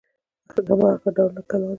ارګ هماغه کنډواله کلا ده.